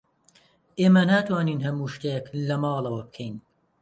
ئێمە ناتوانین هەموو شتێک لە ماڵەوە بکەین.